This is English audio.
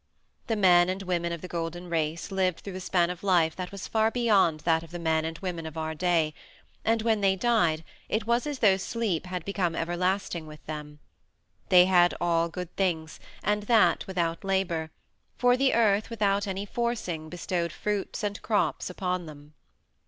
The men and women of the Golden Race lived through a span of life that was far beyond that of the men and women of our day, and when they died it was as though sleep had become everlasting with them. They had all good things, and that without labor, for the earth without any forcing bestowed fruits and crops upon them.